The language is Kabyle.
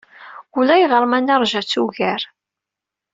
Ulayɣer ma neṛja-tt ugar.